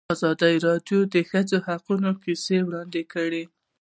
ازادي راډیو د د ښځو حقونه کیسې وړاندې کړي.